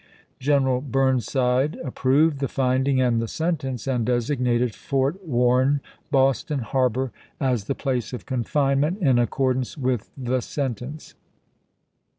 General Burn side approved the finding and the sentence, and designated Fort Warren, Boston Harbor, as the VALLANDIGHAM 335 place of confinement in accordance with the chap, xil sentence.